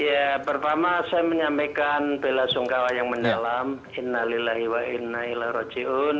ia pertama saya menyampaikan bella sungkawa yang mendalam innalillahi wa'inna ila roji'un